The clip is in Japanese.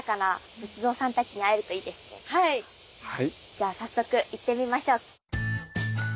じゃあ早速行ってみましょう。